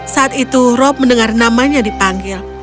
saat itu rob mendengar namanya dipanggil